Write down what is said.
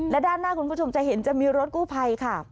และด้านหน้าคุณผู้ชมจะเห็นจะมีรถกู้ภัยค่ะ